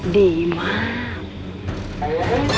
ดีมาก